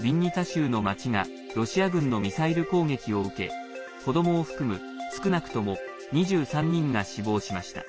州の町がロシア軍のミサイル攻撃を受け子どもを含む少なくとも２３人が死亡しました。